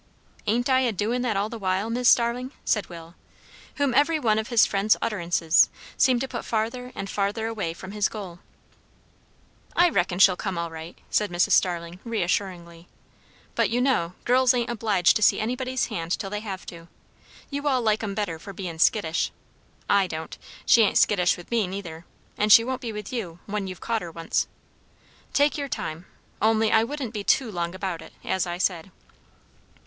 "Ain't I a doin' that all the while, Mis' Starling?" said Will, whom every one of his friend's utterances seemed to put farther and farther away from his goal. "I reckon she'll come, all right," said Mrs. Starling reassuringly; "but, you know, girls ain't obliged to see anybody's hand till they have to. You all like 'em better for bein' skittish. I don't. She ain't skittish with me, neither; and she won't be with you, when you've caught her once. Take your time, only I wouldn't be too long about it, as I said."